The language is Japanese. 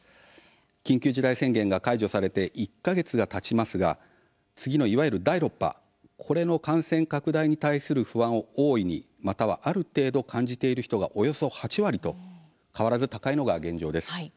緊急事態宣言が解除されて１か月がたちますが次のいわゆる第６波これの感染拡大に対する不安を大いにまたはある程度、感じている人がおよそ８割と変わらず高いのが現状です。